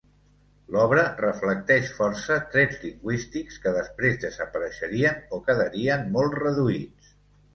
L'obra reflecteix força trets lingüístics que després desapareixerien o quedarien molt reduïts.